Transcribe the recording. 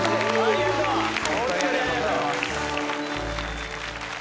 ホントにありがとうございます！